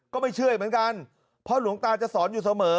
ก็ไม่เชื่อเหมือนกันเพราะหลวงตาจะสอนอยู่เสมอ